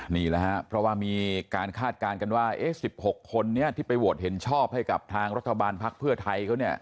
นี่แหละครับเพราะว่ามีการคาดการณ์กันว่า๑๖คนนี้ที่ไปโหวตเห็นชอบให้กับทางรัฐบาลภักดิ์เพื่อไทยเขาเนี่ย